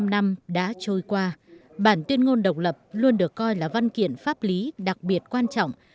bảy mươi năm năm đã trôi qua bản tuyên ngôn độc lập luôn được coi là văn kiện pháp lý đặc biệt quan trọng